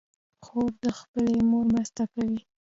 خور د خپلې مور مرسته کوي.